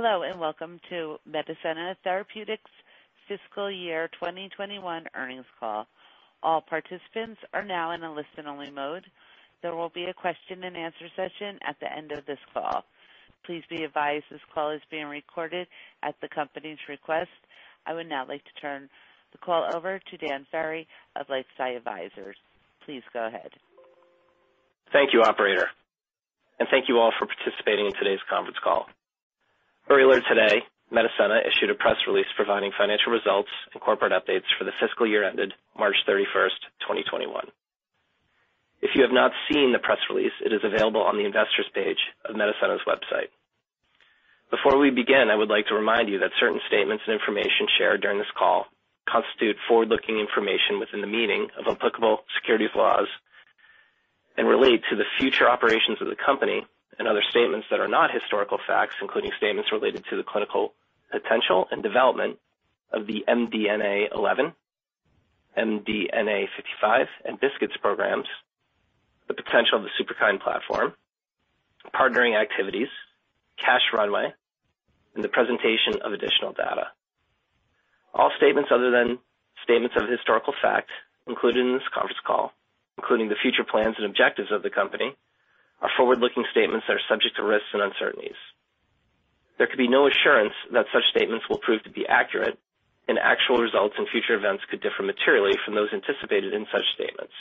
Hello, and welcome to Medicenna Therapeutics' fiscal year 2021 earnings call. All participants are now in a listen-only mode. There will be a question and answer session at the end of this call. Please be advised this call is being recorded at the company's request. I would now like to turn the call over to Dan Ferry of LifeSci Advisors. Please go ahead. Thank you, operator, and thank you all for participating in today's conference call. Earlier today, Medicenna issued a press release providing financial results and corporate updates for the fiscal year ended March 31st, 2021. If you have not seen the press release, it is available on the Investors page of Medicenna's website. Before we begin, I would like to remind you that certain statements and information shared during this call constitute forward-looking information within the meaning of applicable securities laws and relate to the future operations of the company and other statements that are not historical facts, including statements related to the clinical potential and development of the MDNA11, MDNA55, and BiSKITs programs, the potential of the Superkine platform, partnering activities, cash runway, and the presentation of additional data. All statements other than statements of historical fact included in this conference call, including the future plans and objectives of the company, are forward-looking statements that are subject to risks and uncertainties. There can be no assurance that such statements will prove to be accurate, and actual results and future events could differ materially from those anticipated in such statements.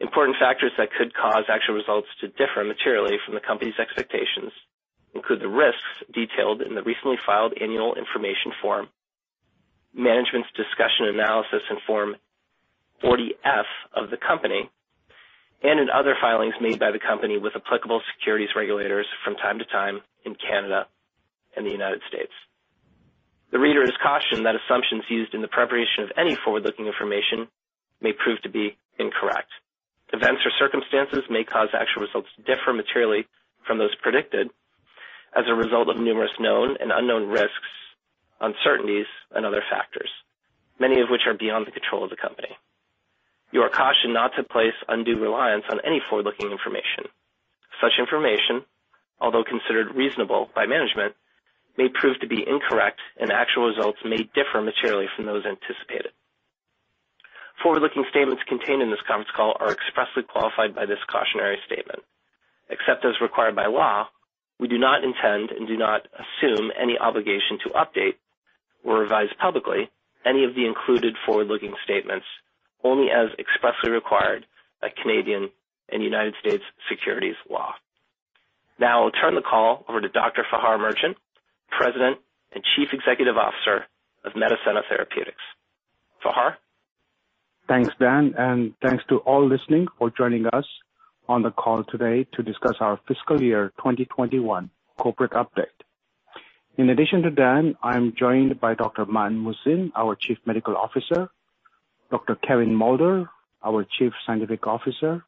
Important factors that could cause actual results to differ materially from the company's expectations include the risks detailed in the recently filed annual information form, management's discussion analysis in Form 40-F of the company, and in other filings made by the company with applicable securities regulators from time to time in Canada and the United States. The reader is cautioned that assumptions used in the preparation of any forward-looking information may prove to be incorrect. Events or circumstances may cause actual results to differ materially from those predicted as a result of numerous known and unknown risks, uncertainties, and other factors, many of which are beyond the control of the company. You are cautioned not to place undue reliance on any forward-looking information. Such information, although considered reasonable by management, may prove to be incorrect, and actual results may differ materially from those anticipated. Forward-looking statements contained in this conference call are expressly qualified by this cautionary statement. Except as required by law, we do not intend and do not assume any obligation to update or revise publicly any of the included forward-looking statements, only as expressly required by Canadian and U.S. securities law. Now I'll turn the call over to Dr. Fahar Merchant, President and Chief Executive Officer of Medicenna Therapeutics. Fahar? Thanks, Dan, and thanks to all listening or joining us on the call today to discuss our fiscal year 2021 corporate update. In addition to Dan, I'm joined by Dr. Mann Muhsin, our Chief Medical Officer, Dr. Kevin Moulder, our Chief Scientific Officer,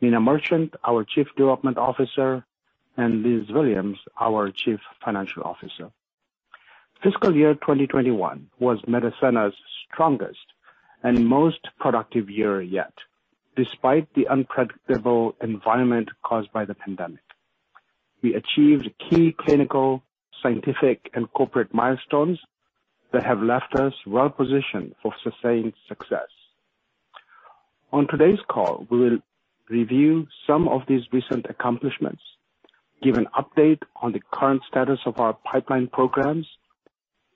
Mina Merchant, our Chief Development Officer, and Liz Williams, our Chief Financial Officer. Fiscal year 2021 was Medicenna's strongest and most productive year yet, despite the unpredictable environment caused by the pandemic. We achieved key clinical, scientific, and corporate milestones that have left us well-positioned for sustained success. On today's call, we will review some of these recent accomplishments, give an update on the current status of our pipeline programs,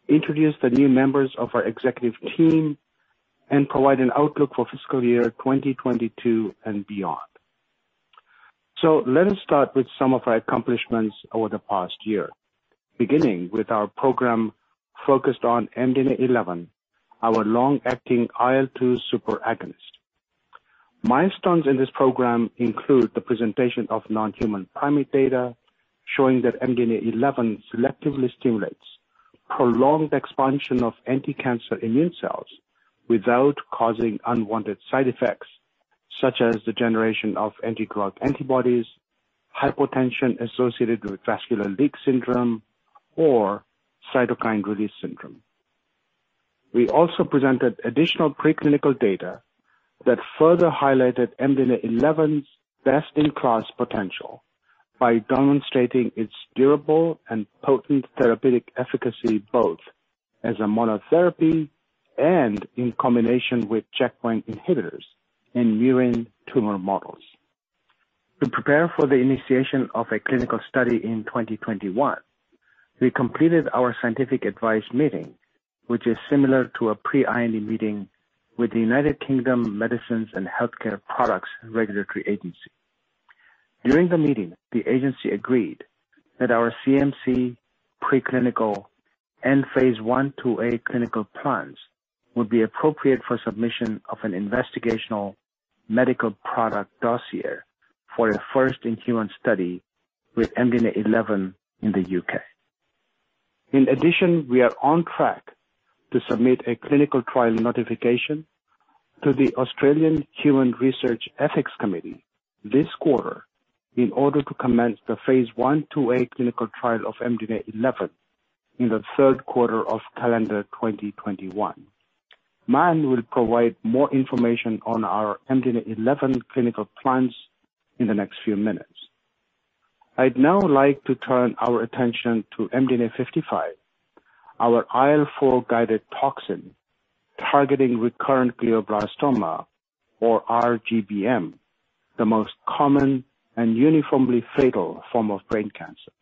introduce the new members of our executive team, and provide an outlook for fiscal year 2022 and beyond. Let us start with some of our accomplishments over the past year, beginning with our program focused on MDNA11, our long-acting IL-2 Superkine. Milestones in this program include the presentation of non-human primate data showing that MDNA11 selectively stimulates prolonged expansion of anticancer immune cells without causing unwanted side effects, such as the generation of anti-drug antibodies, hypotension associated with vascular leak syndrome, or cytokine release syndrome. We also presented additional preclinical data that further highlighted MDNA11's best-in-class potential by demonstrating its durable and potent therapeutic efficacy, both as a monotherapy and in combination with checkpoint inhibitors in murine tumor models. To prepare for the initiation of a clinical study in 2021, we completed our scientific advice meeting, which is similar to a pre-IND meeting with the United Kingdom Medicines and Healthcare products Regulatory Agency. During the meeting, the agency agreed that our CMC preclinical and phase I/II-A clinical plans would be appropriate for submission of an investigational medical product dossier for a first-in-human study with MDNA11 in the U.K.. We are on track to submit a clinical trial notification to the Australian Human Research Ethics Committee this quarter in order to commence the phase I/II-A clinical trial of MDNA11 in the third quarter of calendar 2021. Mann will provide more information on our MDNA11 clinical plans in the next few minutes. I'd now like to turn our attention to MDNA55, our IL-4 guided toxin targeting recurrent glioblastoma, or RGBM, the most common and uniformly fatal form of brain cancer.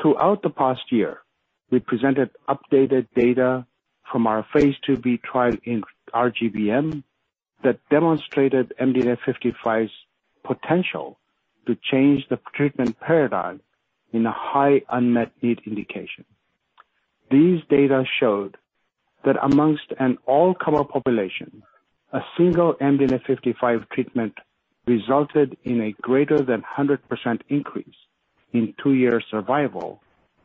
Throughout the past year, we presented updated data from our phase II-B trial in RGBM that demonstrated MDNA55's potential to change the treatment paradigm in a high unmet need indication. These data showed that amongst an all-comer population, a single MDNA55 treatment resulted in a greater than 100% increase in two-year survival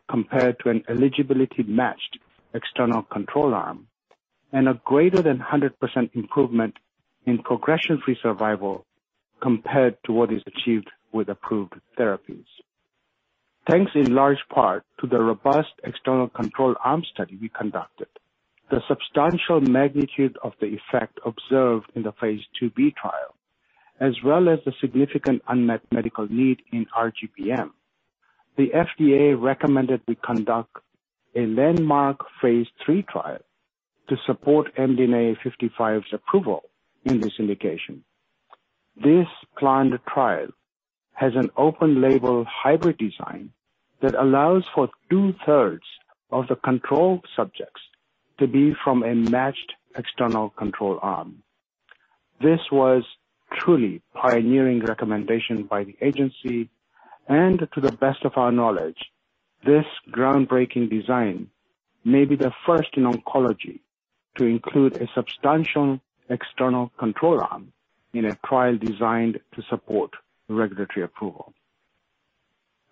compared to an eligibility-matched external control arm and a greater than 100% improvement in progression-free survival compared to what is achieved with approved therapies. Thanks in large part to the robust external control arm study we conducted, the substantial magnitude of the effect observed in the phase II-B trial, as well as the significant unmet medical need in RGBM, the FDA recommended we conduct a landmark phase III trial to support MDNA55's approval in this indication. This planned trial has an open label hybrid design that allows for two-thirds of the control subjects to be from a matched external control arm. This was truly pioneering recommendation by the agency and to the best of our knowledge, this groundbreaking design may be the first in oncology to include a substantial external control arm in a trial designed to support regulatory approval.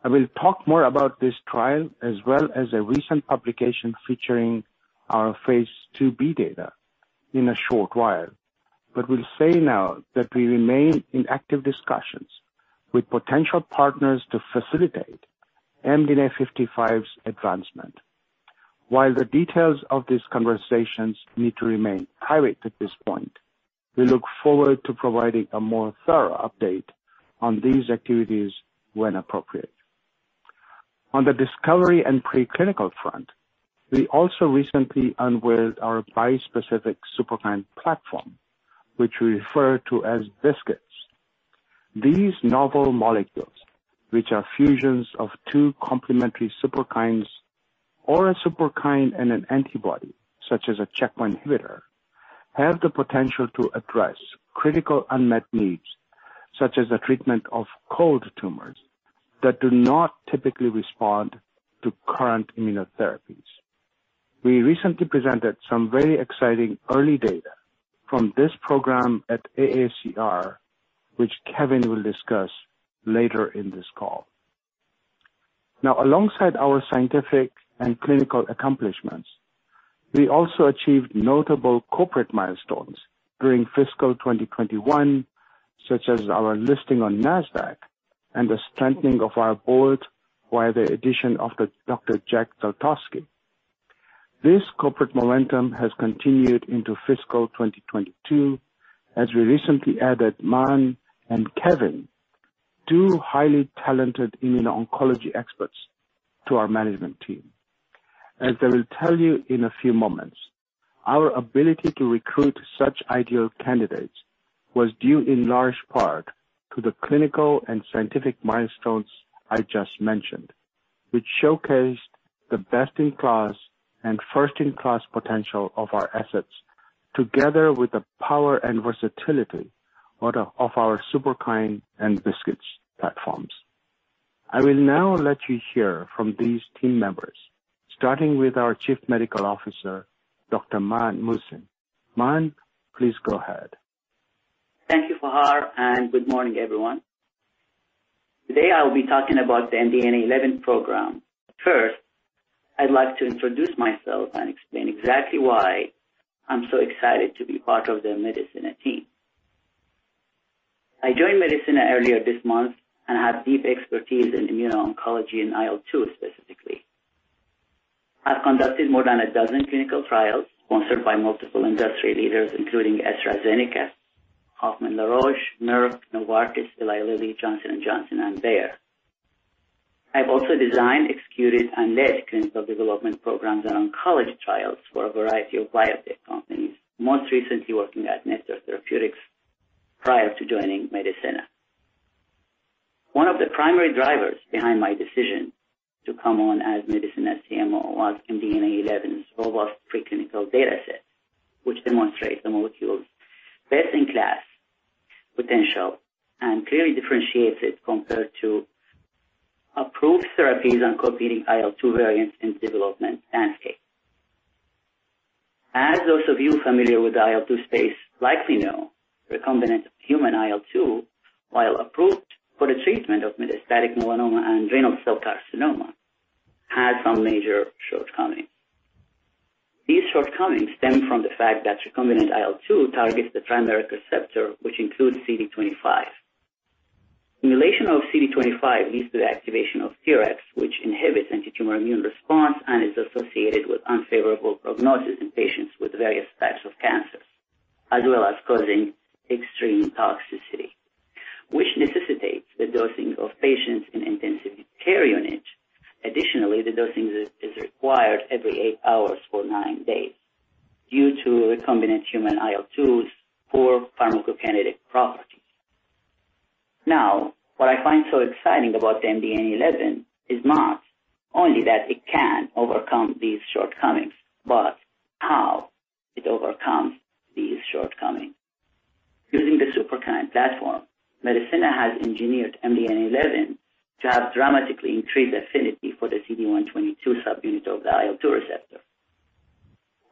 I will talk more about this trial as well as a recent publication featuring our phase II-B data in a short while. I will say now that we remain in active discussions with potential partners to facilitate MDNA55's advancement. While the details of these conversations need to remain private at this point, we look forward to providing a more thorough update on these activities when appropriate. On the discovery and preclinical front, we also recently unveiled our bispecific Superkine platform, which we refer to as BiSKITs. These novel molecules, which are fusions of two complementary Superkines or a Superkine and an antibody such as a checkpoint inhibitor, have the potential to address critical unmet needs, such as the treatment of cold tumors that do not typically respond to current immunotherapies. We recently presented some very exciting early data from this program at AACR, which Kevin will discuss later in this call. Now, alongside our scientific and clinical accomplishments, we also achieved notable corporate milestones during fiscal 2021, such as our listing on Nasdaq and the strengthening of our board by the addition of Dr. Jack Geltosky. This corporate momentum has continued into fiscal 2022, as we recently added Mann and Kevin, two highly talented immuno-oncology experts, to our management team. As I will tell you in a few moments, our ability to recruit such ideal candidates was due in large part to the clinical and scientific milestones I just mentioned, which showcased the best-in-class and first-in-class potential of our assets, together with the power and versatility of our Superkine and BiSKITs platforms. I will now let you hear from these team members, starting with our Chief Medical Officer, Dr. Mann Muhsin. Mann, please go ahead. Thank you, Fahar. Good morning, everyone. Today, I'll be talking about the MDNA11 program. First, I'd like to introduce myself and explain exactly why I'm so excited to be part of the Medicenna team. I joined Medicenna earlier this month and have deep expertise in immuno-oncology and IL-2 specifically. I've conducted more than a dozen clinical trials sponsored by multiple industry leaders including AstraZeneca, Hoffmann-La Roche, Merck, Novartis, Eli Lilly, Johnson & Johnson, and Bayer. I've also designed, executed, and led clinical development programs and oncology trials for a variety of biotech companies, most recently working at Nektar Therapeutics prior to joining Medicenna. One of the primary drivers behind my decision to come on as Medicenna's CMO was MDNA11's robust preclinical data set, which demonstrates the molecule's best-in-class potential and clearly differentiates it compared to approved therapies and competing IL-2 variants in development landscape. As those of you familiar with the IL-2 space likely know, recombinant human IL-2, while approved for the treatment of metastatic melanoma and renal cell carcinoma, has some major shortcomings. These shortcomings stem from the fact that recombinant IL-2 targets the trimeric receptor, which includes CD25. Stimulation of CD25 leads to the activation of Tregs, which inhibits antitumor immune response and is associated with unfavorable prognosis in patients with various types of cancers, as well as causing extreme toxicity, which necessitates the dosing of patients in intensive care units. Additionally, the dosing is required every eight hours for nine days due to recombinant human IL-2's poor pharmacokinetic properties. What I find so exciting about MDNA11 is not only that it can overcome these shortcomings, but how it overcomes these shortcomings. Using the Superkine platform, Medicenna has engineered MDNA11 to have dramatically increased affinity for the CD122 subunit of the IL-2 receptor,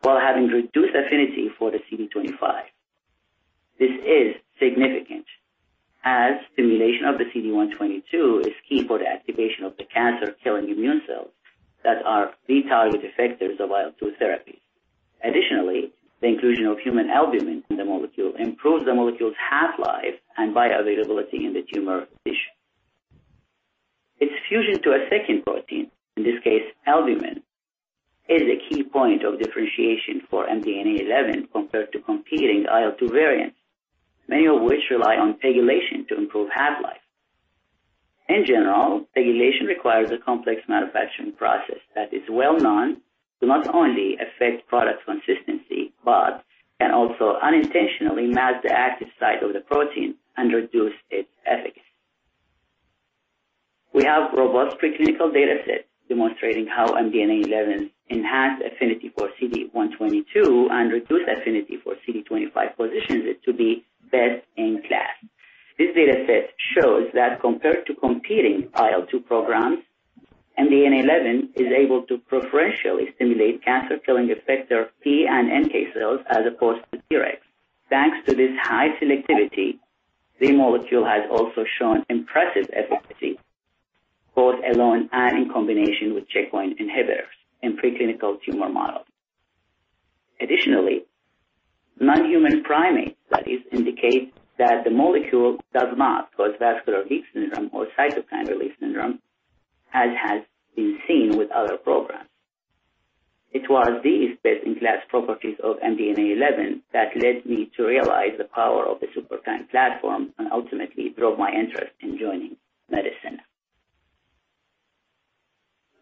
while having reduced affinity for the CD25. This is significant as stimulation of the CD122 is key for the activation of the cancer-killing immune cells that are vital effectors of IL-2 therapy. Additionally, the inclusion of human albumin in the molecule improves the molecule's half-life and bioavailability in the tumor tissue. Its fusion to a second protein, in this case, albumin, is a key point of differentiation for MDNA11 compared to competing IL-2 variants, many of which rely on pegylation to improve half-life. In general, pegylation requires a complex manufacturing process that is well known to not only affect product consistency but can also unintentionally mask the active site of the protein and reduce its efficacy. We have robust preclinical data sets demonstrating how MDNA11 enhanced affinity for CD122 and reduced affinity for CD25 positions it to be best in class. This data set shows that compared to competing IL-2 programs, MDNA11 is able to preferentially stimulate cancer-killing effector T and NK cells as opposed to Tregs. Thanks to this high selectivity, the molecule has also shown impressive efficacy, both alone and in combination with checkpoint inhibitors in preclinical tumor models. Additionally, non-human primate studies indicate that the molecule does not cause vascular leak syndrome or cytokine release syndrome, as has been seen with other programs. It was these best in class properties of MDNA11 that led me to realize the power of the Superkine platform and ultimately drove my interest in joining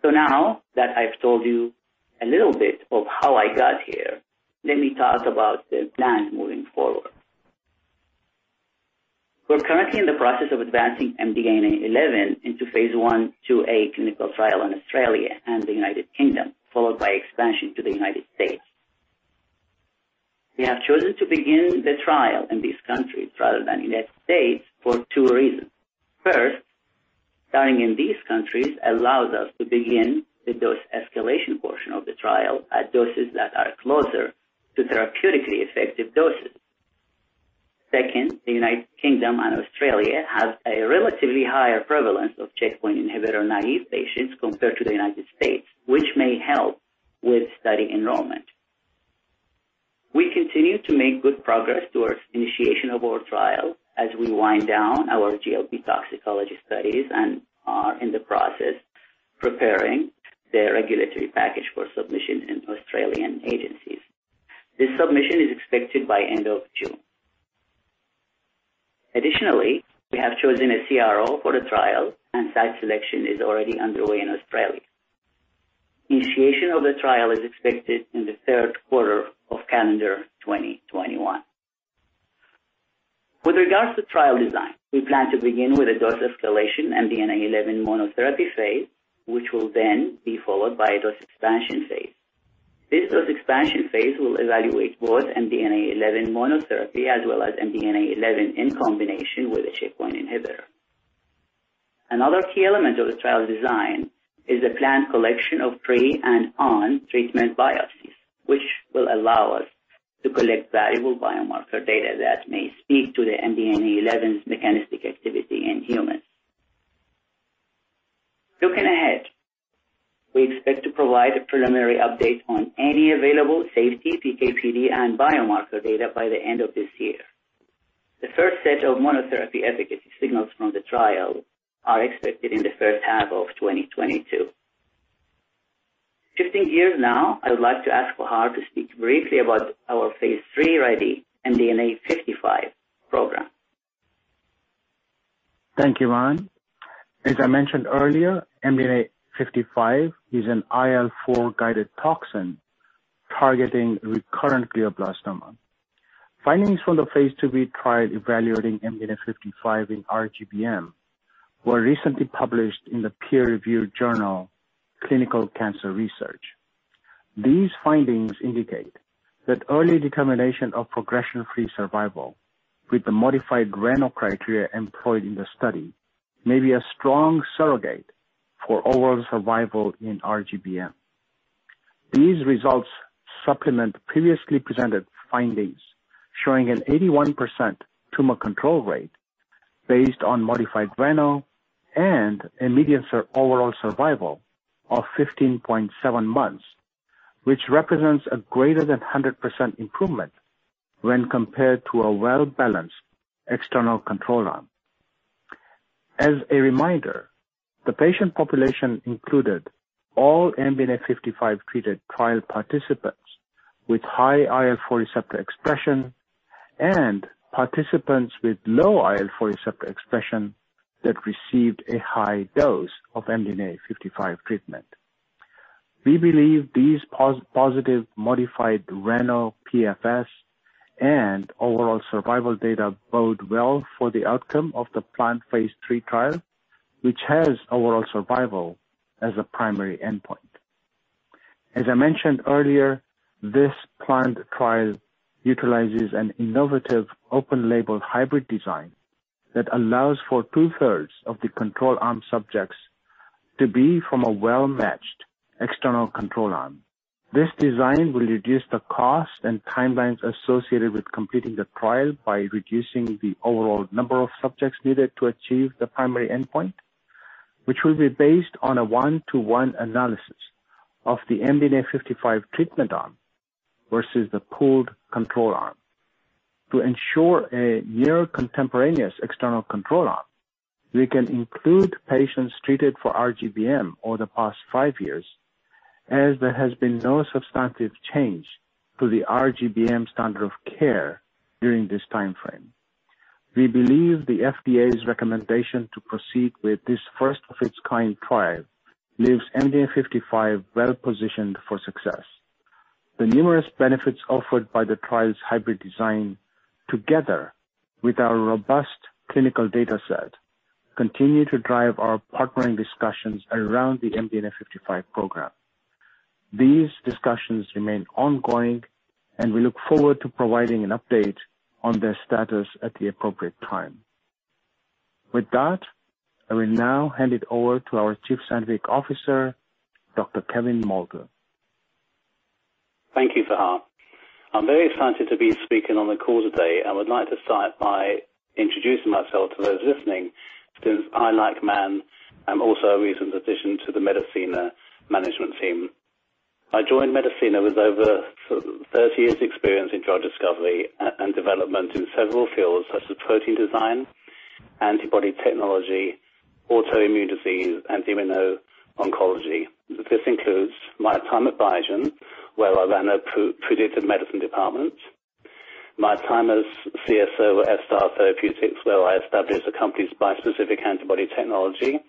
Medicenna. Now that I've told you a little bit of how I got here, let me talk about the plan moving forward. We're currently in the process of advancing MDNA11 into phase I/II-A clinical trial in Australia and the United Kingdom, followed by expansion to the United States. We have chosen to begin the trial in these countries rather than United States for two reasons. First, starting in these countries allows us to begin the dose escalation portion of the trial at doses that are closer to therapeutically effective doses. Second, the United Kingdom and Australia have a relatively higher prevalence of checkpoint inhibitor naive patients compared to the United States, which may help with study enrollment. We continue to make good progress towards initiation of our trial as we wind down our GLP toxicology studies and are in the process preparing the regulatory package for submission in Australian agencies. This submission is expected by end of June. Additionally, we have chosen a CRO for the trial, and site selection is already underway in Australia. Initiation of the trial is expected in the third quarter of calendar 2021. With regards to trial design, we plan to begin with a dose escalation MDNA11 monotherapy phase, which will then be followed by a dose expansion phase. This dose expansion phase will evaluate both MDNA11 monotherapy as well as MDNA11 in combination with a checkpoint inhibitor. Another key element of the trial design is the planned collection of pre and on-treatment biopsies, which will allow us to collect valuable biomarker data that may speak to the MDNA11's mechanistic activity in humans. Looking ahead, we expect to provide a preliminary update on any available safety PK/PD and biomarker data by the end of this year. The first set of monotherapy efficacy signals from the trial are expected in the first half of 2022. Switching gears now, I would like to ask Fahar to speak briefly about our phase III-ready MDNA55 program. Thank you, Mann. As I mentioned earlier, MDNA55 is an IL-4-guided toxin targeting recurrent glioblastoma. Findings from the phase II-B trial evaluating MDNA55 in RGBM were recently published in the peer-reviewed journal, "Clinical Cancer Research." These findings indicate that early determination of progression-free survival with the modified RANO criteria employed in the study may be a strong surrogate for overall survival in RGBM. These results supplement previously presented findings showing an 81% tumor control rate based on modified RANO and a median overall survival of 15.7 months, which represents a greater than 100% improvement when compared to a well-balanced external control arm. As a reminder, the patient population included all MDNA55-treated trial participants with high IL-4 receptor expression and participants with low IL-4 receptor expression that received a high dose of MDNA55 treatment. We believe these positive modified RANO PFS and overall survival data bode well for the outcome of the planned phase III trial, which has overall survival as a primary endpoint. As I mentioned earlier, this planned trial utilizes an innovative open label hybrid design that allows for two-thirds of the control arm subjects to be from a well-matched external control arm. This design will reduce the cost and timelines associated with completing the trial by reducing the overall number of subjects needed to achieve the primary endpoint, which will be based on a one-to-one analysis of the MDNA55 treatment arm versus the pooled control arm. To ensure a near contemporaneous external control arm, we can include patients treated for RGBM over the past five years, as there has been no substantive change to the RGBM standard of care during this timeframe. We believe the FDA's recommendation to proceed with this first of its kind trial leaves MDNA55 well-positioned for success. The numerous benefits offered by the trial's hybrid design, together with our robust clinical data set, continue to drive our partnering discussions around the MDNA55 program. These discussions remain ongoing, and we look forward to providing an update on their status at the appropriate time. With that, I will now hand it over to our Chief Scientific Officer, Dr. Kevin Moulder. Thank you, Fahar. I'm very excited to be speaking on the call today. I would like to start by introducing myself to those listening since I, like Mann, am also a recent addition to the Medicenna management team. I joined Medicenna with over 30 years experience in drug discovery and development in several fields such as protein design, antibody technology, autoimmune disease, and immuno-oncology. This includes my time at Biogen, where I ran a predictive medicine department. My time as CSO at F-star Therapeutics, where I established the company's bispecific antibody technology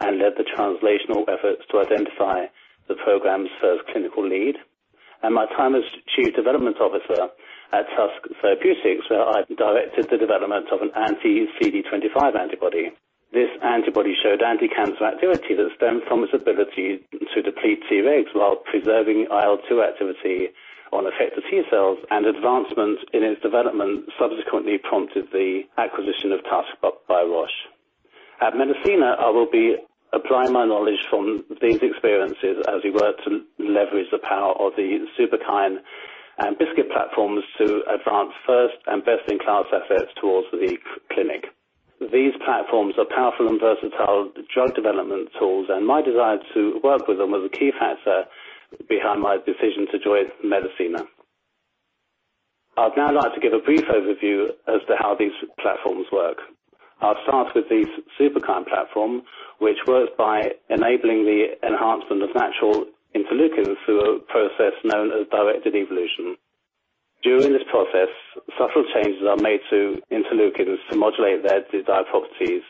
and led the translational efforts to identify the program's first clinical lead. My time as Chief Development Officer at Tusk Therapeutics, where I directed the development of an anti-CD25 antibody. This antibody showed anti-cancer activity that stemmed from its ability to deplete Tregs while preserving IL-2 activity on effector T cells. Advancements in its development subsequently prompted the acquisition of Tusk by Roche. At Medicenna, I will be applying my knowledge from these experiences as we work to leverage the power of the Superkine and BiSKIT platforms to advance first and best-in-class assets towards the clinic. These platforms are powerful and versatile drug development tools. My desire to work with them was a key factor behind my decision to join Medicenna. I'd now like to give a brief overview as to how these platforms work. I'll start with the Superkine platform, which works by enabling the enhancement of natural interleukins through a process known as directed evolution. During this process, subtle changes are made to interleukins to modulate their desired properties,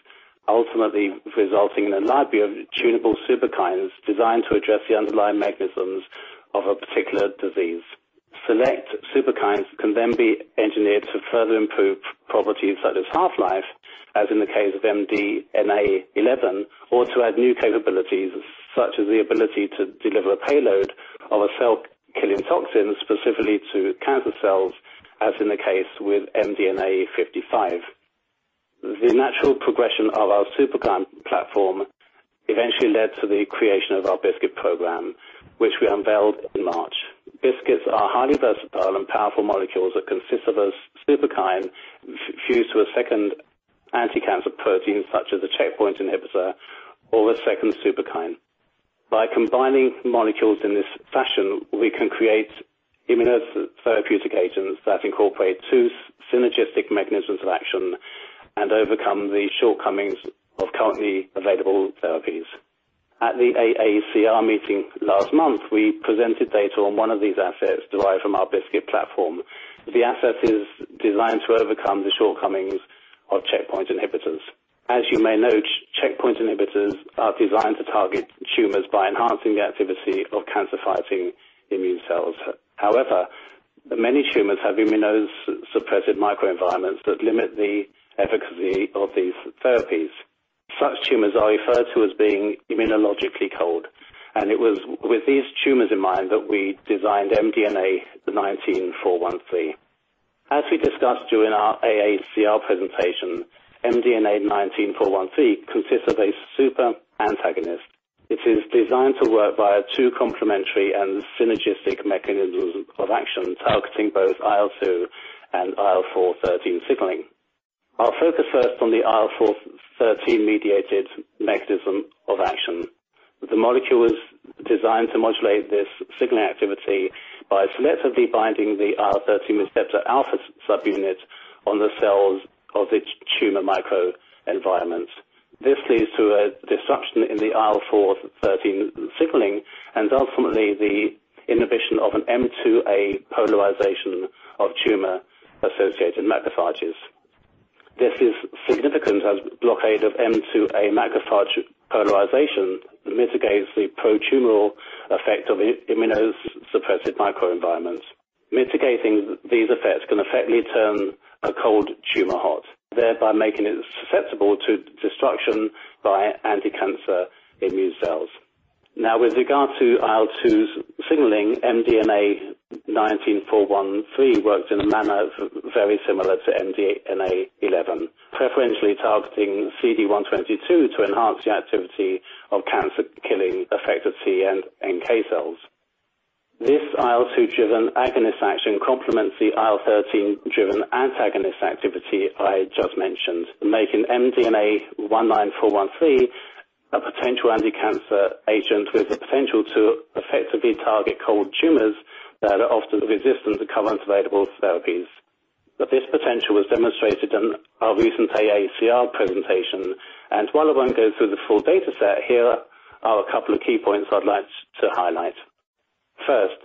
ultimately resulting in a library of tunable Superkines designed to address the underlying mechanisms of a particular disease. Select Superkines can then be engineered to further improve properties such as half-life, as in the case of MDNA11, or to add new capabilities, such as the ability to deliver a payload of a cell-killing toxin specifically to cancer cells, as in the case with MDNA55. The natural progression of our Superkine platform eventually led to the creation of our BiSKIT program, which we unveiled in March. BiSKITs are highly versatile and powerful molecules that consist of a Superkine fused to a second anti-cancer protein, such as a checkpoint inhibitor or a second Superkine. By combining molecules in this fashion, we can create immunotherapeutic agents that incorporate two synergistic mechanisms of action and overcome the shortcomings of currently available therapies. At the AACR meeting last month, we presented data on one of these assets derived from our BiSKIT platform. The asset is designed to overcome the shortcomings of checkpoint inhibitors. As you may know, checkpoint inhibitors are designed to target tumors by enhancing the activity of cancer-fighting immune cells. However, many tumors have immunosuppressive microenvironments that limit the efficacy of these therapies. Such tumors are referred to as being immunologically cold, and it was with these tumors in mind that we designed MDNA19-MDNA413. As we discussed during our AACR presentation, MDNA19-MDNA413 consists of a super antagonist. It is designed to work via two complementary and synergistic mechanisms of action, targeting both IL-2 and IL-4/IL-13 signaling. I'll focus first on the IL-4/IL-13-mediated mechanism of action. The molecule was designed to modulate this signaling activity by selectively binding the IL-13 receptor alpha subunit on the cells of the tumor microenvironment. This leads to a disruption in the IL-4/13 signaling, ultimately the inhibition of an M2a polarization of tumor-associated macrophages. This is significant as blockade of M2a macrophage polarization mitigates the pro-tumor effect of immunosuppressive microenvironments. Mitigating these effects can effectively turn a cold tumor hot, thereby making it susceptible to destruction by anti-cancer immune cells. With regard to IL-2's signaling, MDNA19-MDNA413 works in a manner very similar to MDNA11, preferentially targeting CD122 to enhance the activity of cancer-killing effector T and NK cells. This IL-2-driven agonist action complements the IL-13-driven antagonist activity I just mentioned, making MDNA19-MDNA413 a potential anti-cancer agent with the potential to effectively target cold tumors that are often resistant to current available therapies. This potential was demonstrated in our recent AACR presentation, and while I won't go through the full data set, here are a couple of key points I'd like to highlight. First,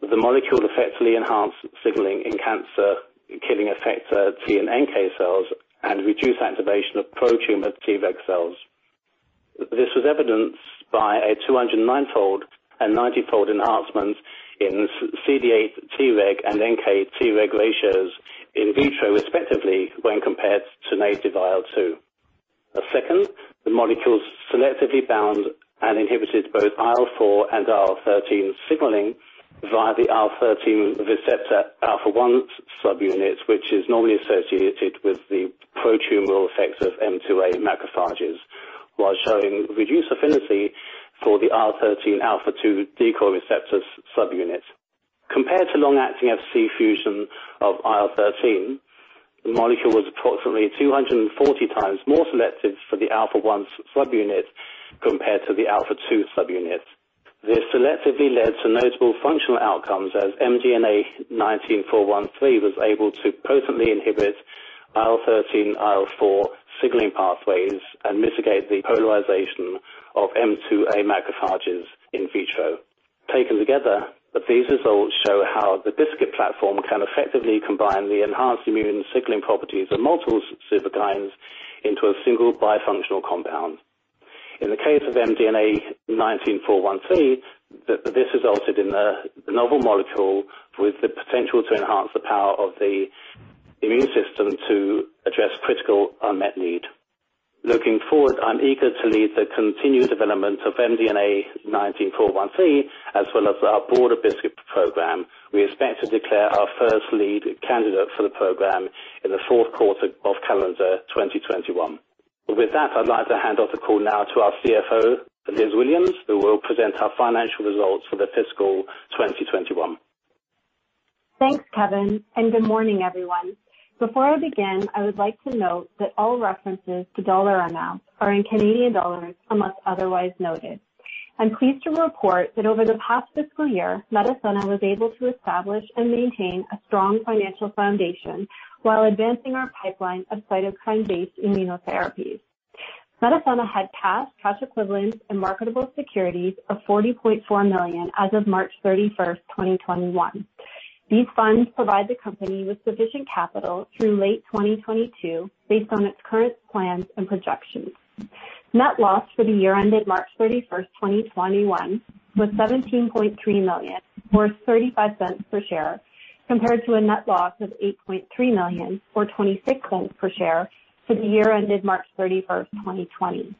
the molecule effectively enhanced signaling in cancer-killing effector T and NK cells and reduced activation of pro-tumor Tregs. This was evidenced by a 209-fold and 90-fold enhancement in CD8 to Treg and NK Treg ratios in vitro, respectively, when compared to native IL-2. Second, the molecules selectively bound and inhibited both IL-4 and IL-13 signaling via the IL-13 receptor Alpha 1 subunit, which is normally associated with the pro-tumor effects of M2a macrophages, while showing reduced affinity for the IL-13 Alpha 2 decoy receptor subunit. Compared to long-acting Fc fusion of IL-13, the molecule was approximately 240 times more selective for the Alpha 1 subunit compared to the Alpha 2 subunit. This selectively led to notable functional outcomes, as MDNA19-MDNA413 was able to potently inhibit IL-13/IL-4 signaling pathways and mitigate the polarization of M2a macrophages in vitro. Taken together, these results show how the BiSKIT platform can effectively combine the enhanced immune signaling properties of multiple cytokines into a single bifunctional compound. In the case of MDNA19-MDNA413, this resulted in a novel molecule with the potential to enhance the power of the immune system to address critical unmet need. Looking forward, I'm eager to lead the continued development of MDNA19-MDNA413 as well as our broader BiSKIT program. We expect to declare our first lead candidate for the program in the fourth quarter of calendar 2021. With that, I'd like to hand off the call now to our CFO, Liz Williams, who will present our financial results for the fiscal 2021. Thanks, Kevin, and good morning, everyone. Before I begin, I would like to note that all references to dollar amounts are in Canadian dollars unless otherwise noted. I'm pleased to report that over the past fiscal year, Medicenna was able to establish and maintain a strong financial foundation while advancing our pipeline of cytokine-based immunotherapies. Medicenna had cash equivalents, and marketable securities of 40.4 million as of March 31st, 2021. These funds provide the company with sufficient capital through late 2022 based on its current plans and projections. Net loss for the year ended March 31st, 2021, was 17.3 million, or 0.35 per share, compared to a net loss of 8.3 million or 0.26 per share for the year ended March 31st, 2020.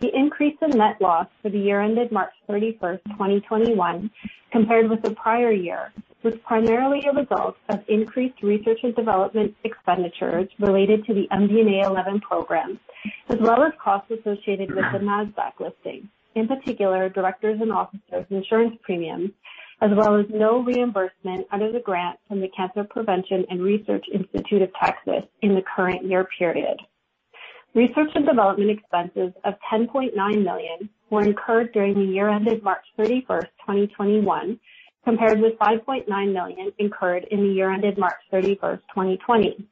The increase in net loss for the year ended March 31st, 2021 compared with the prior year, was primarily a result of increased research and development expenditures related to the MDNA11 program, as well as costs associated with the Nasdaq listing, in particular, directors and officers' insurance premiums, as well as no reimbursement under the grant from the Cancer Prevention and Research Institute of Texas in the current year period. Research and development expenses of 10.9 million were incurred during the year ended March 31st, 2021, compared with 5.9 million incurred in the year ended March 31st, 2020.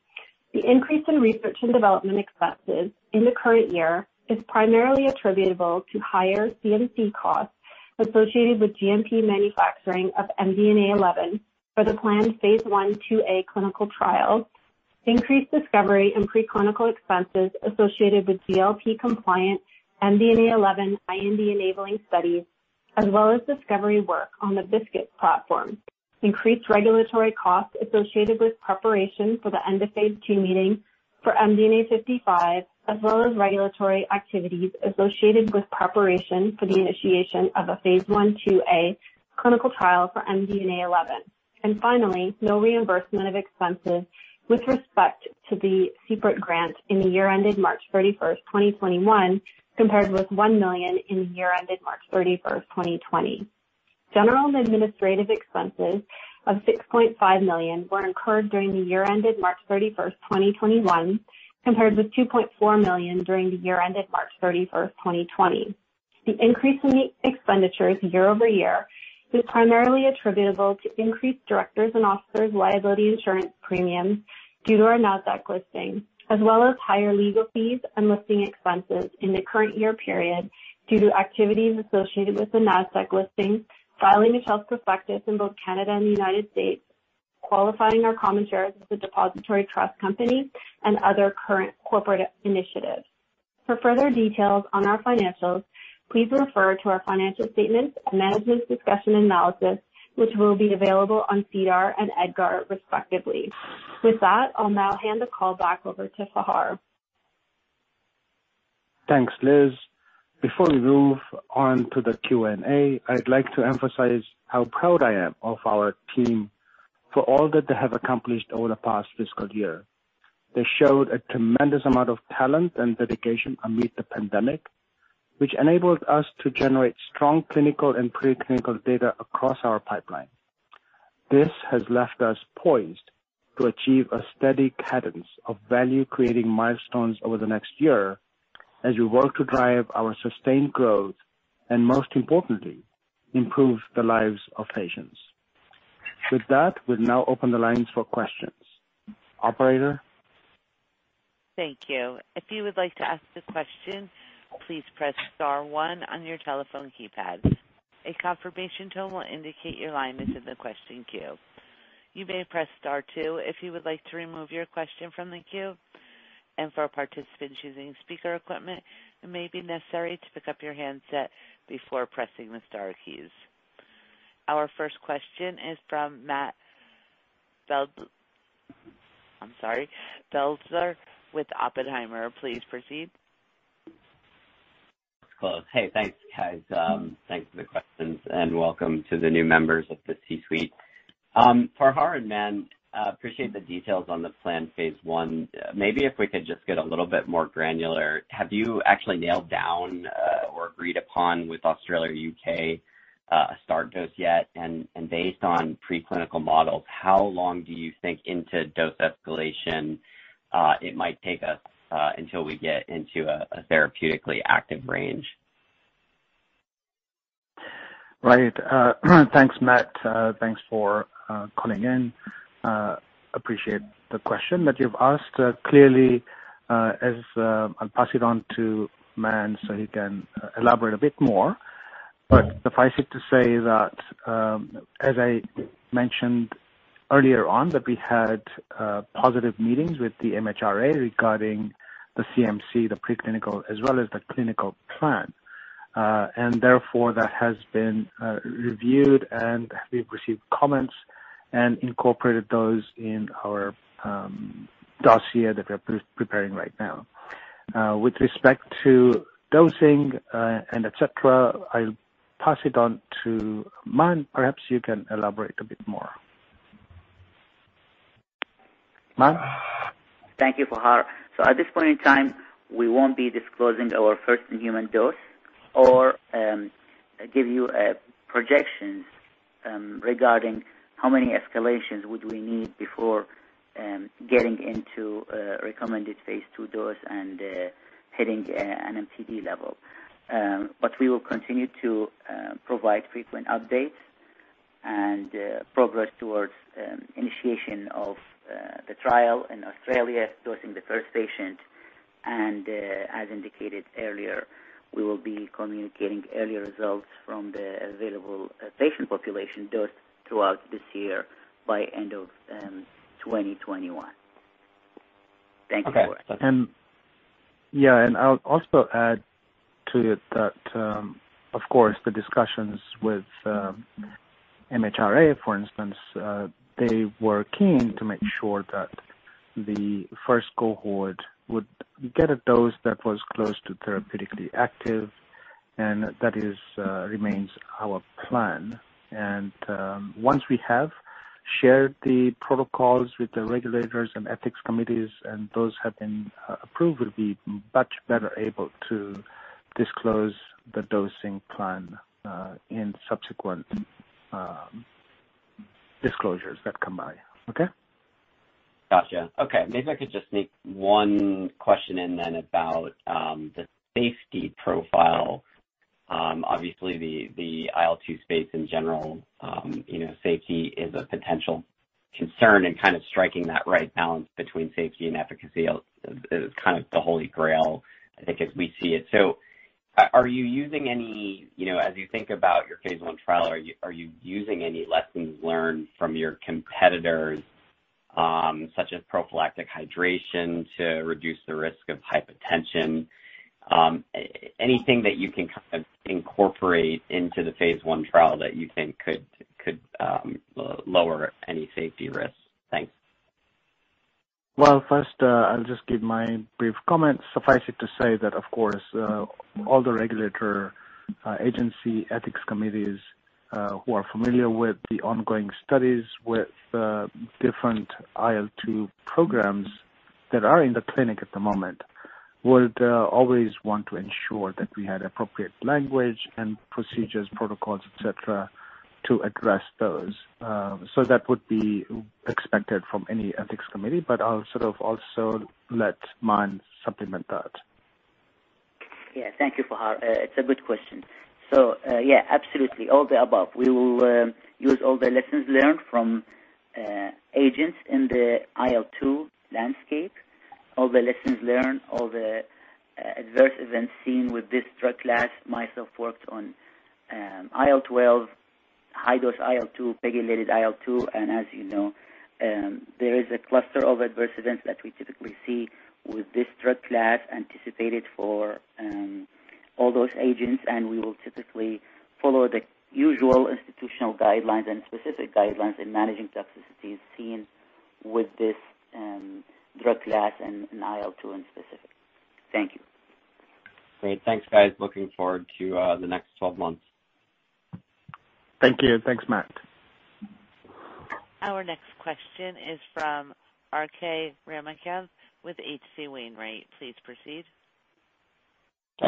The increase in research and development expenses in the current year is primarily attributable to higher CMC costs associated with GMP manufacturing of MDNA11 for the planned phase I/II-A clinical trials, increased discovery and preclinical expenses associated with GLP compliant MDNA11 IND-enabling studies, as well as discovery work on the BiSKIT platform, increased regulatory costs associated with preparation for the end of phase II meeting for MDNA55, as well as regulatory activities associated with preparation for the initiation of a phase I/II-A clinical trial for MDNA11. Finally, no reimbursement of expenses with respect to the CPRIT grant in the year ended March 31st, 2021, compared with 1 million in the year ended March 31st, 2020. General and administrative expenses of 6.5 million were incurred during the year ended March 31st, 2021, compared with 2.4 million during the year ended March 31st, 2020. The increase in the expenditures year-over-year is primarily attributable to increased directors and officers liability insurance premiums due to our Nasdaq listing, as well as higher legal fees and listing expenses in the current year period due to activities associated with the Nasdaq listing, filing a shelf prospectus in both Canada and the United States, qualifying our common shares with the Depository Trust Company, and other current corporate initiatives. For further details on our financials, please refer to our financial statements and management's discussion and analysis, which will be available on SEDAR and EDGAR, respectively. With that, I'll now hand the call back over to Fahar. Thanks, Liz. Before we move on to the Q&A, I'd like to emphasize how proud I am of our team for all that they have accomplished over the past fiscal year. They showed a tremendous amount of talent and dedication amid the pandemic, which enabled us to generate strong clinical and pre-clinical data across our pipeline. This has left us poised to achieve a steady cadence of value-creating milestones over the next year as we work to drive our sustained growth, most importantly, improve the lives of patients. With that, we'll now open the lines for questions. Operator? Thank you. If you would like to ask a question, please press star one on your telephone keypads. A confirmation tone will indicate your line is in the question queue. You may press star two if you would like to remove your question from the queue. For participants using speaker equipment, it may be necessary to pick up your handset before pressing the star keys. Our first question is from Matt Biegler with Oppenheimer. Please proceed. That's close. Hey, thanks, guys. Thanks for the questions and welcome to the new members of the C-suite. Fahar and Mann, appreciate the details on the planned phase I. Maybe if we could just get a little bit more granular. Have you actually nailed down or agreed upon with Australia or U.K. a start dose yet? Based on pre-clinical models, how long do you think into dose escalation it might take us until we get into a therapeutically active range? Right. Thanks, Matt. Thanks for calling in. Appreciate the question that you've asked. Clearly, I'll pass it on to Mann so he can elaborate a bit more. Suffice it to say that, as I mentioned earlier on, that we had positive meetings with the MHRA regarding the CMC, the pre-clinical, as well as the clinical plan. Therefore, that has been reviewed, and we've received comments and incorporated those in our dossier that we're preparing right now. With respect to dosing and et cetera, I'll pass it on to Mann. Perhaps you can elaborate a bit more. Mann? Thank you, Fahar. At this point in time, we won't be disclosing our first human dose or give you projections regarding how many escalations would we need before getting into a recommended phase II dose and hitting an MTD level. We will continue to provide frequent updates and progress towards initiation of the trial in Australia, dosing the first patient, and, as indicated earlier, we will be communicating early results from the available patient population dosed throughout this year by end of 2021. Thank you. Okay. Yeah. I'll also add to it that, of course, the discussions with MHRA, for instance, they were keen to make sure that the first cohort would get a dose that was close to therapeutically active, and that remains our plan. Once we have shared the protocols with the regulators and ethics committees, and those have been approved, we'll be much better able to disclose the dosing plan, in subsequent disclosures that come by. Okay? Gotcha. Okay. Maybe I could just sneak one question in then about the safety profile. Obviously, the IL-2 space in general, safety is a potential concern and kind of striking that right balance between safety and efficacy is kind of the holy grail, I think, as we see it. Are you using any, as you think about your phase I trial, are you using any lessons learned from your competitors, such as prophylactic hydration to reduce the risk of hypotension? Anything that you can kind of incorporate into the phase I trial that you think could lower any safety risks? Thanks. First, I'll just give my brief comments. Suffice it to say that of course, all the regulator agency ethics committees who are familiar with the ongoing studies with different IL-2 programs that are in the clinic at the moment. We'll always want to ensure that we had appropriate language and procedures, protocols, et cetera, to address those. That would be expected from any ethics committee, but I'll sort of also let Mann supplement that. Yeah, thank you, Fahar. It's a good question. Yeah, absolutely. All the above. We will use all the lessons learned from agents in the IL-2 landscape, all the lessons learned, all the adversities seen with this drug class. Myself worked on IL-12, high-dose IL-2, pegylated IL-2, and as you know, there is a cluster of adversities that we typically see with this drug class anticipated for all those agents, and we will typically follow the usual institutional guidelines and specific guidelines in managing toxicities seen with this drug class and in IL-2 in specific. Thank you. Great. Thanks, guys. Looking forward to the next 12 months. Thank you, and thanks, Matt Biegler. Our next question is from RK Ramakanth with H.C. Wainwright. Please proceed.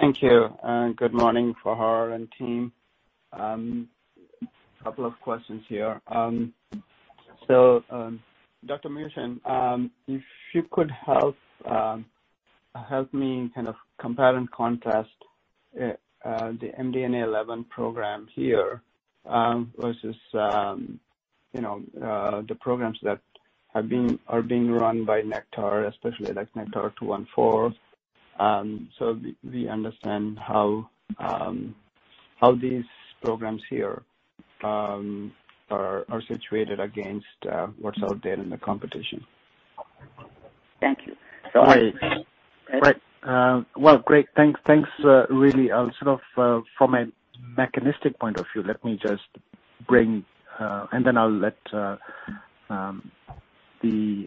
Thank you. Good morning, Fahar and team. A couple of questions here. Dr. Muhsin, if you could help me kind of compare and contrast the MDNA11 program here versus the programs that are being run by Nektar, especially NKTR-214, so we understand how these programs here are situated against what's out there in the competition. Thank you. Right. Well, great. Thanks, really. Sort of from a mechanistic point of view, let me just bring. Then I'll let the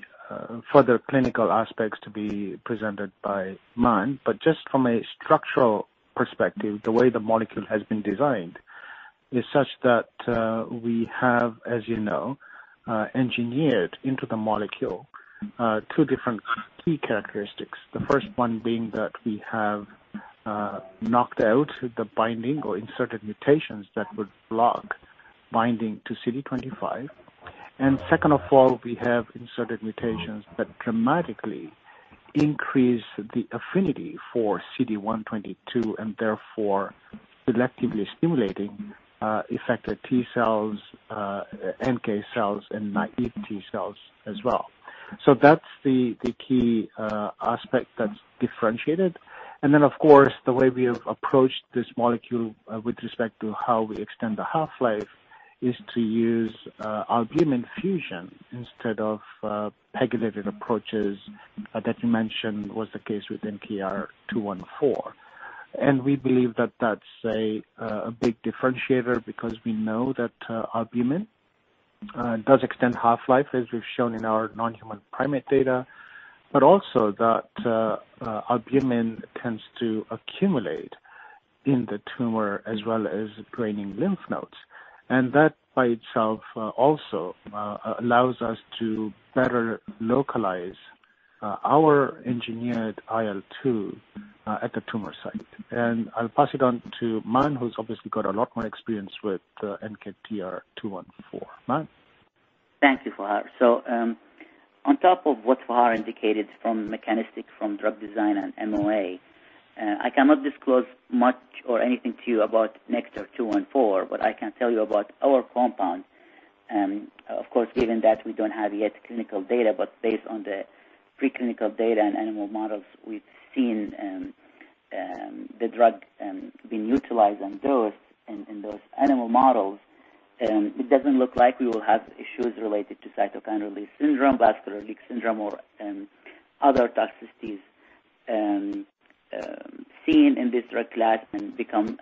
further clinical aspects to be presented by Mann Muhsin. Just from a structural perspective, the way the molecule has been designed is such that we have, as you know, engineered into the molecule two different key characteristics. The first one being that we have knocked out the binding or inserted mutations that would block binding to CD25. Second of all, we have inserted mutations that dramatically increase the affinity for CD122 and therefore selectively stimulating effector T cells, NK cells, and NKT cells as well. That's the key aspect that's differentiated. Of course, the way we have approached this molecule with respect to how we extend the half-life is to use albumin fusion instead of pegylated approaches that you mentioned was the case with NKTR-214. We believe that that's a big differentiator because we know that albumin does extend half-life, as we've shown in our non-human primate data, but also that albumin tends to accumulate in the tumor as well as draining lymph nodes. That by itself also allows us to better localize our engineered IL-2 at the tumor site. I'll pass it on to Mann, who's obviously got a lot more experience with NKTR-214. Mann. Thank you, Fahar. On top of what Fahar indicated from mechanistic, from drug design and MOA, I cannot disclose much or anything to you about NKTR-214, but I can tell you about our compound. Of course, given that we don't have yet clinical data, but based on the preclinical data and animal models we've seen the drug being utilized on those in those animal models, it doesn't look like we will have issues related to cytokine release syndrome, vascular leak syndrome, or other toxicities seen in this drug class and become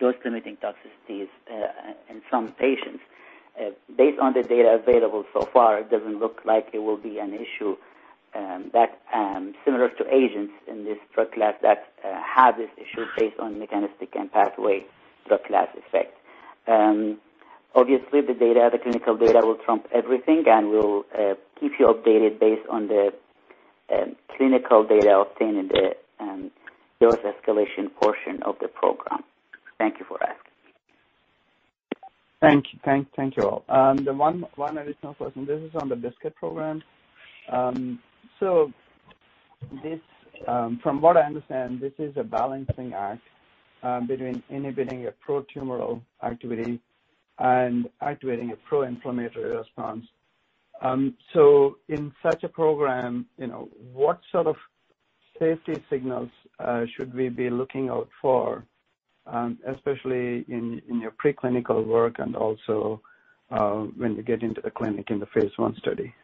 dose-limiting toxicities in some patients. Based on the data available so far, it doesn't look like it will be an issue that's similar to agents in this drug class that have this issue based on mechanistic and pathway drug class effect. Obviously, the data, the clinical data will trump everything, and we'll keep you updated based on the clinical data obtained in the dose escalation portion of the program. Thank you, Fahar. Thank you. Thank you all. The one additional question, this is on the BiSKIT program. From what I understand, this is a balancing act between inhibiting a pro-tumoral activity and activating a pro-inflammatory response. In such a program, what sort of safety signals should we be looking out for, especially in your preclinical work and also when you get into the clinic in the phase I study?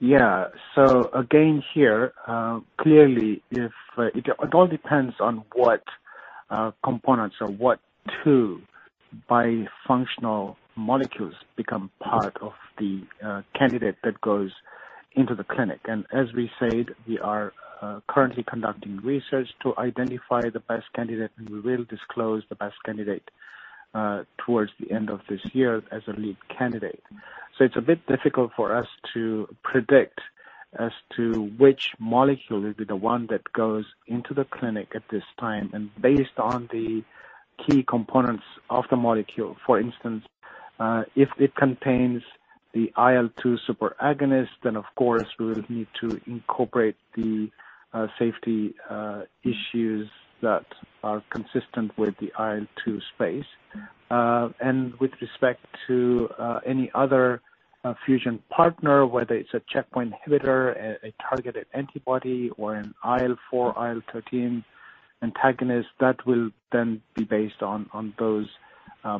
Yeah. Again here, clearly, it all depends on what components or what two bifunctional molecules become part of the candidate that goes into the clinic. As we said, we are currently conducting research to identify the best candidate, and we will disclose the best candidate towards the end of this year as a lead candidate. It's a bit difficult for us to predict as to which molecule will be the one that goes into the clinic at this time, and based on the key components of the molecule. For instance, if it contains the IL-2 super agonist, then of course, we'll need to incorporate the safety issues that are consistent with the IL-2 space. With respect to any other fusion partner, whether it's a checkpoint inhibitor, a targeted antibody, or an IL-4, IL-13 antagonist, that will then be based on those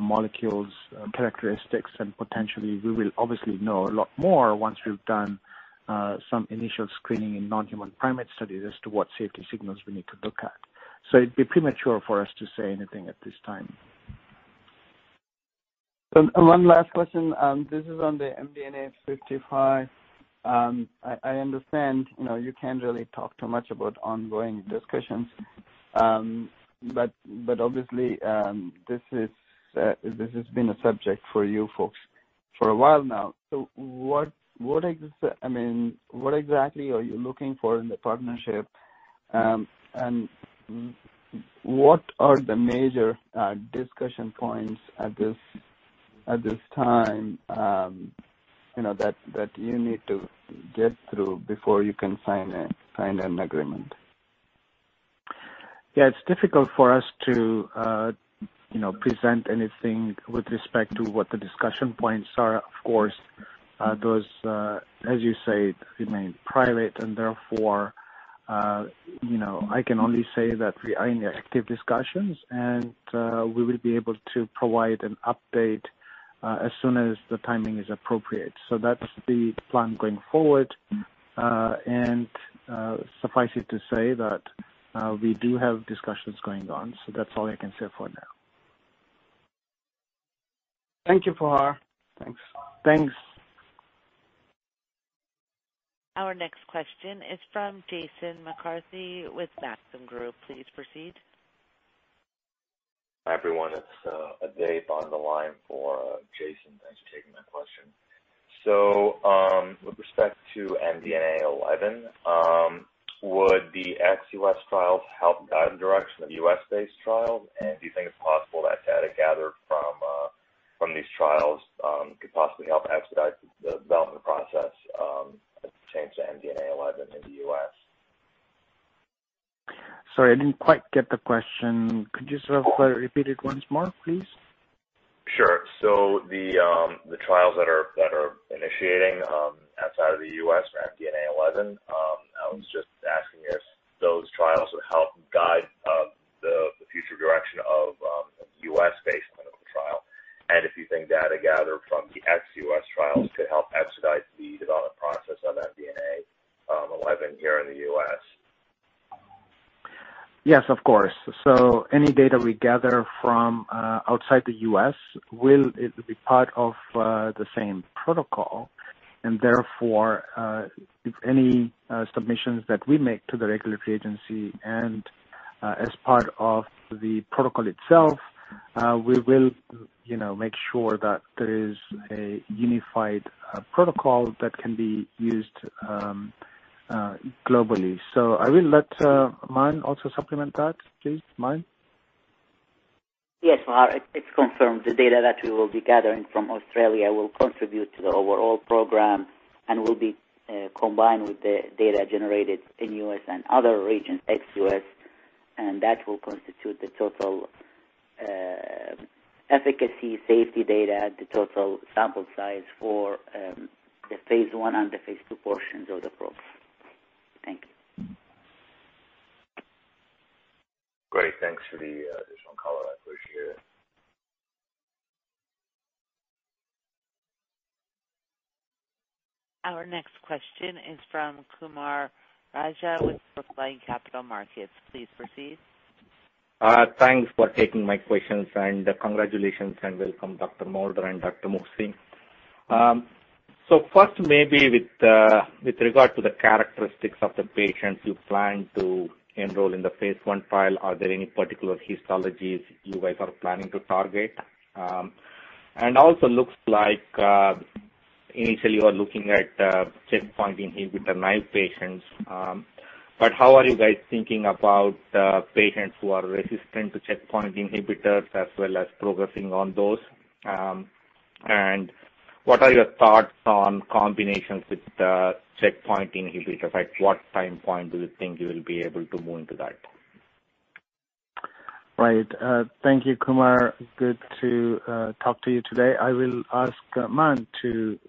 molecules' characteristics and potentially, we will obviously know a lot more once we've done some initial screening in non-human primate studies as to what safety signals we need to look at. It'd be premature for us to say anything at this time. One last question. This is on the MDNA55. I understand you can't really talk too much about ongoing discussions. Obviously, this has been a subject for you folks for a while now. What exactly are you looking for in the partnership, and what are the major discussion points at this time that you need to get through before you can sign an agreement? Yeah. It's difficult for us to present anything with respect to what the discussion points are. Of course, those, as you say, remain private and therefore, I can only say that we are in active discussions, and we will be able to provide an update as soon as the timing is appropriate. That's the plan going forward. Suffice it to say that we do have discussions going on, so that's all I can say for now. Thank you, Fahar. Thanks. Thanks. Our next question is from Jason McCarthy with Maxim Group. Please proceed. Hi, everyone. It's Dave on the line for Jason. Thanks for taking my question. With respect to MDNA11, would the ex-U.S. trials help guide the direction of U.S.-based trials, and do you think it's possible that data gathered from these trials could possibly help expedite the development process of the change to MDNA11 in the U.S.? Sorry, I didn't quite get the question. Could you sort of repeat it once more, please? Sure. The trials that are initiating outside of the U.S. for MDNA11, I was just asking if those trials would help guide the future direction of the U.S.-based clinical trial, and if you think data gathered from the ex-U.S. trials could help expedite the development process of MDNA11 here in the U.S. Yes, of course. Any data we gather from outside the U.S. will be part of the same protocol, and therefore, if any submissions that we make to the regulatory agency and as part of the protocol itself, we will make sure that there is a unified protocol that can be used globally. I will let Mann also supplement that, please. Mann? Yes, Fahar, it's confirmed. The data that we will be gathering from Australia will contribute to the overall program and will be combined with the data generated in U.S. and other regions, ex-U.S., and that will constitute the total efficacy safety data, the total sample size for the phase I and the phase II portions of the program. Thank you. Great. Thanks for the additional color. I appreciate it. Our next question is from Kumar Raja with Brookline Capital Markets. Please proceed. Fahar, thanks for taking my questions. Congratulations and welcome Dr. Moulder and Dr. Muhsin. First, maybe with regard to the characteristics of the patients you plan to enroll in the phase I trial, are there any particular histologies you guys are planning to target? Also looks like initially you are looking at checkpoint inhibitor-naive patients, but how are you guys thinking about patients who are resistant to checkpoint inhibitors as well as progressing on those? What are your thoughts on combinations with the checkpoint inhibitors? At what time point do you think you'll be able to move into that? Right. Thank you, Kumar. Good to talk to you today. I will ask Mann to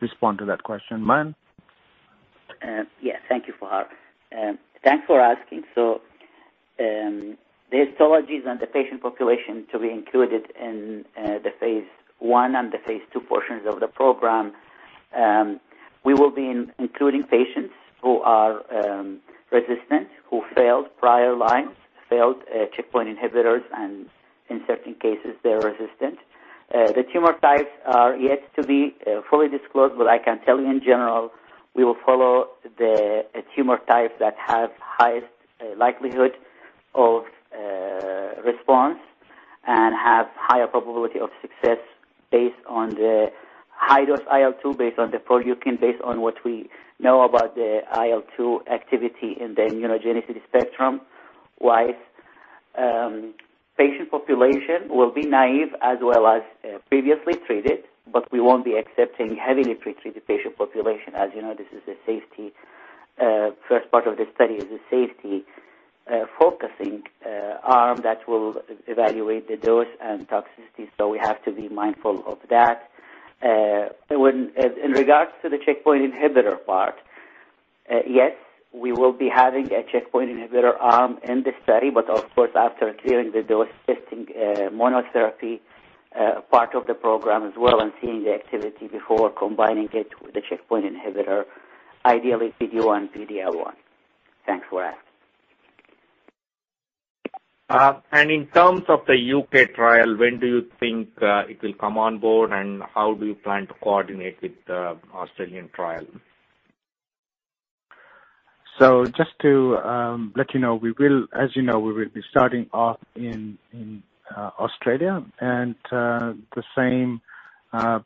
respond to that question. Mann? Yes. Thank you, Fahar. Thanks for asking. The histologies and the patient population to be included in the phase I and the phase II portions of the program, we will be including patients who are resistant, who failed prior lines, failed checkpoint inhibitors, and in certain cases, they're resistant. The tumor types are yet to be fully disclosed, but I can tell you in general, we will follow the tumor types that have the highest likelihood of response and have a higher probability of success based on the high-dose IL-2, based on the PROLEUKIN, based on what we know about the IL-2 activity in the immunogenicity spectrum. This patient population will be naive as well as previously treated, but we won't be accepting heavily pre-treated patient population. As you know, this is a safety first part of the study, is a safety-focusing arm that will evaluate the dose and toxicity. We have to be mindful of that. In regards to the checkpoint inhibitor part, yes, we will be having a checkpoint inhibitor arm in the study, of course, after clearing the dose testing monotherapy part of the program as well and seeing the activity before combining it with the checkpoint inhibitor, ideally PD-1 and PD-L1. Thanks for asking. In terms of the U.K. trial, when do you think it will come on board, and how do you plan to coordinate with the Australian trial? Just to let you know, as you know, we will be starting off in Australia, and the same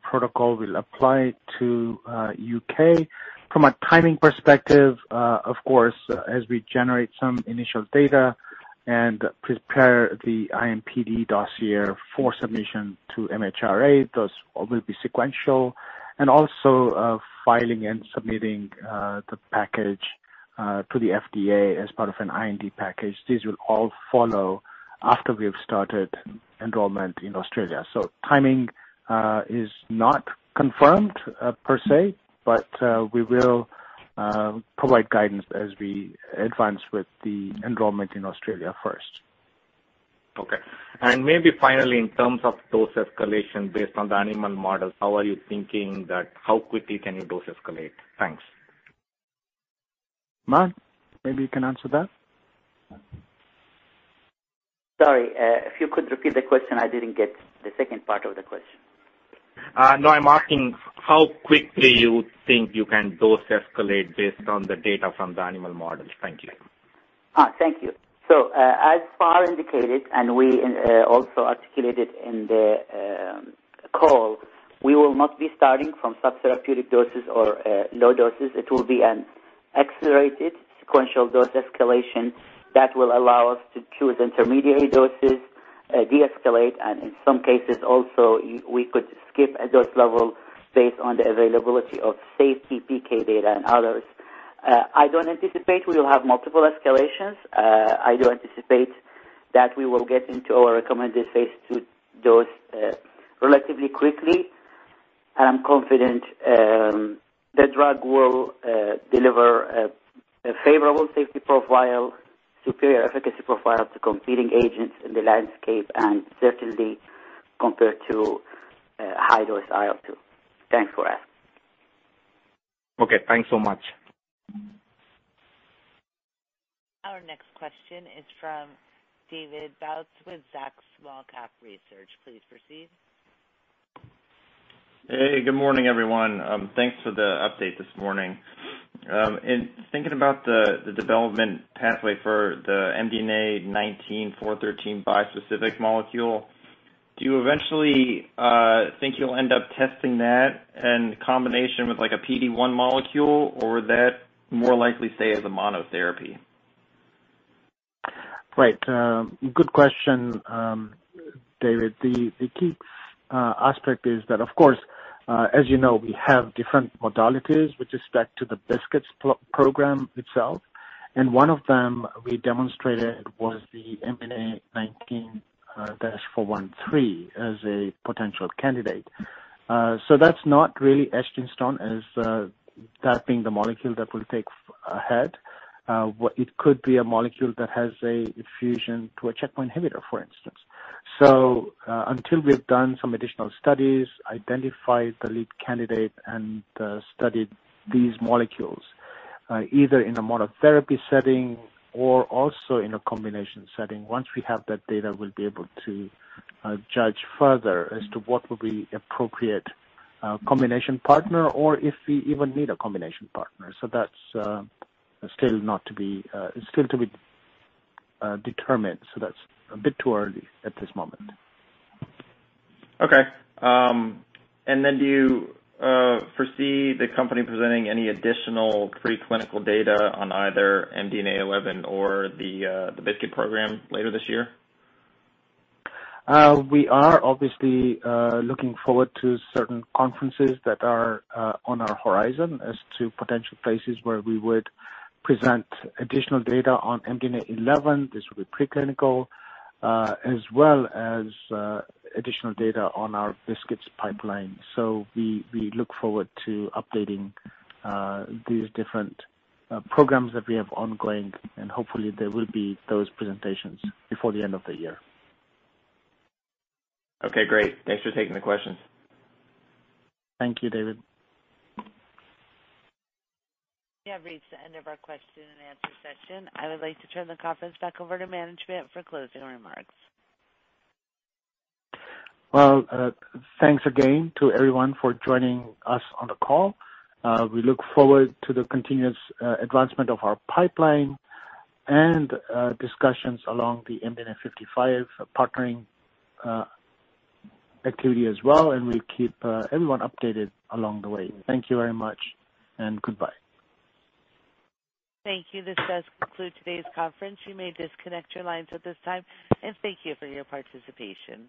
protocol will apply to the U.K. From a timing perspective, of course, as we generate some initial data and prepare the IND dossier for submission to MHRA, those will be sequential. Filing and submitting the package to the FDA as part of an IND package. These will all follow after we have started enrollment in Australia. Timing is not confirmed per se, but we will provide guidance as we advance with the enrollment in Australia first. Okay. Maybe finally, in terms of dose escalation based on the animal models, how are you thinking that how quickly can you dose escalate? Thanks. Mann, maybe you can answer that. Sorry, if you could repeat the question, I didn't get the second part of the question. No, I'm asking how quickly you think you can dose escalate based on the data from the animal models? Thank you. Thank you. As Fahar indicated, and we also articulated in the call, we will not be starting from subtherapeutic doses or low doses. It will be an accelerated sequential dose escalation that will allow us to choose intermediate doses, deescalate, and in some cases, also, we could skip a dose level based on the availability of safety PK data and others. I don't anticipate we'll have multiple escalations. I do anticipate that we will get into our recommended phase II dose relatively quickly. I'm confident the drug will deliver a favorable safety profile, superior efficacy profile to competing agents in the landscape, and certainly compared to high-dose IL-2. Thanks for asking. Okay, thanks so much. Our next question is from David Bautz with Zacks Small-Cap Research. Please proceed. Hey, good morning, everyone. Thanks for the update this morning. In thinking about the development pathway for the MDNA413 bispecific molecule, do you eventually think you'll end up testing that in combination with a PD-1 molecule, or would that more likely stay as a monotherapy? Right. Good question, David. The key aspect is that, of course, as you know, we have different modalities with respect to the BiSKITs program itself, and one of them we demonstrated was the MDNA19-MDNA413 as a potential candidate. That's not really etched in stone as that being the molecule that will take ahead. It could be a molecule that has a fusion to a checkpoint inhibitor, for instance. Until we've done some additional studies, identified the lead candidate, and studied these molecules, either in a monotherapy setting or also in a combination setting, once we have that data, we will be able to judge further as to what will be appropriate combination partner or if we even need a combination partner. That's still to be determined, so that's a bit too early at this moment. Okay. Do you foresee the company presenting any additional preclinical data on either MDNA11 or the BiSKIT program later this year? We are obviously looking forward to certain conferences that are on our horizon as to potential places where we would present additional data on MDNA11. This will be preclinical, as well as additional data on our BiSKITs pipeline. We look forward to updating these different programs that we have ongoing, and hopefully, there will be those presentations before the end of the year. Okay, great. Thanks for taking the question. Thank you, David. We have reached the end of our question and answer session. I would like to turn the conference back over to management for closing remarks. Well, thanks again to everyone for joining us on the call. We look forward to the continuous advancement of our pipeline and discussions along the MDNA55 partnering activity as well, and we'll keep everyone updated along the way. Thank you very much, and goodbye. Thank you. This does conclude today's conference. You may disconnect your lines at this time, and thank you for your participation.